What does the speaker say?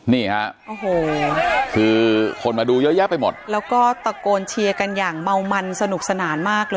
นี่ฮะโอ้โหคือคนมาดูเยอะแยะไปหมดแล้วก็ตะโกนเชียร์กันอย่างเมามันสนุกสนานมากเลย